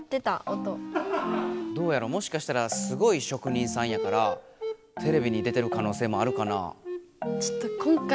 どうやらもしかしたらすごい職人さんやからテレビに出てる可能性もあるかな？